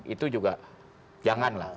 itu juga jangan lah